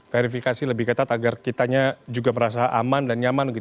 verifikasi lebih ketat agar kitanya juga merasa aman dan nyaman